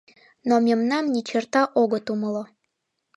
— Но мемнам ничерта огыт умыло.